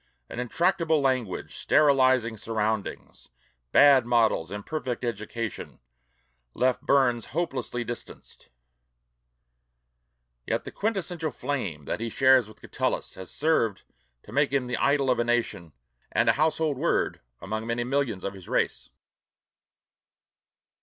An intractable language, sterilizing surroundings, bad models, imperfect education, left Burns hopelessly distanced; yet the quintessential flame that he shares with Catullus has served to make him the idol of a nation, and a household word among many millions of his race.